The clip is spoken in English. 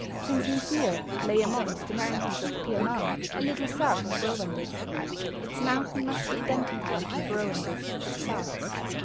Since Nizir lay amongst the mountains of Pir Mam, a little south of Rowandiz, its mountain must be identified with Rowandiz itself.